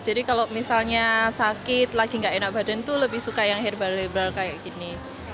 jadi kalau misalnya sakit lagi enggak enak badan itu lebih suka yang herbal herbal kayak gini